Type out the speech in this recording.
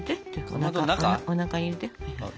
おなかに入れて。